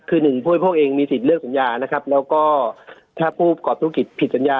คือหนึ่งผู้บริโภคเองมีสิทธิ์เลือกสัญญานะครับแล้วก็ถ้าผู้ประกอบธุรกิจผิดสัญญา